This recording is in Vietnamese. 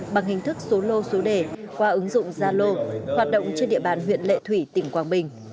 bằng hình thức số lô số đề qua ứng dụng zalo hoạt động trên địa bàn huyện lệ thủy tỉnh quảng bình